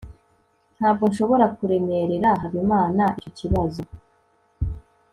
ntabwo nshobora kuremerera habimana icyo kibazo